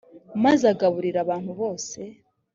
maze agaburira abantu bose